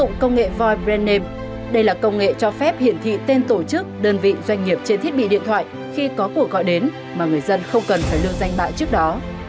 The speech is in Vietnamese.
ứng dụng công nghệ void brand name đây là công nghệ cho phép hiển thị tên tổ chức đơn vị doanh nghiệp trên thiết bị điện thoại khi có cuộc gọi đến mà người dân không cần phải lưu danh bạ trước đó